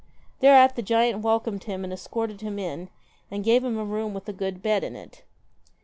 Thereat the giant welcomed him and escorted him in, and gave him a room with a good bed in it.